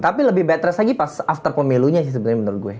tapi lebih baik rasa lagi pas after pemilunya sih sebenarnya menurut gue